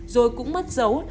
rồi cũng mất dấu